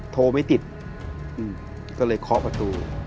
โทรไม่ติดก็เลยเคาะประตู